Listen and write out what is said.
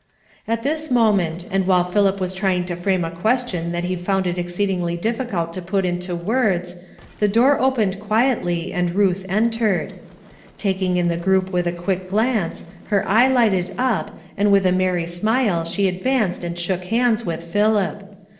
At this moment, and while Philip was trying to frame a question that he found it exceedingly difficult to put into words, the door opened quietly, and Ruth entered. Taking in the group with a quick glance, her eye lighted up, and with a merry smile she advanced and shook hands with Philip.